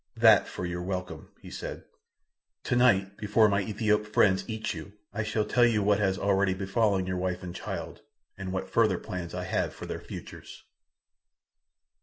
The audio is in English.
"That for your welcome," he said. "Tonight, before my Ethiop friends eat you, I shall tell you what has already befallen your wife and child, and what further plans I have for their futures."